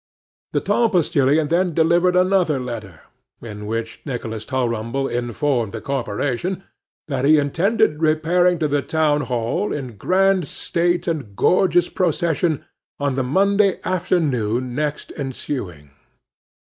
The tall postilion then delivered another letter, in which Nicholas Tulrumble informed the corporation, that he intended repairing to the town hall, in grand state and gorgeous procession, on the Monday afternoon next ensuing.